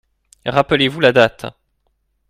Rappelez-vous la date.